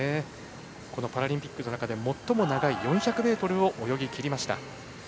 パラリンピックの中で最も長い４００ｍを泳ぎきりました。